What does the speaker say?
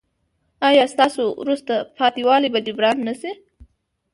ایا ستاسو وروسته پاتې والی به جبران نه شي؟